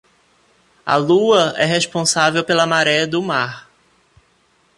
A lua é responsável pela maré do mar.